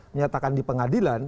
menyatakan di pengadilan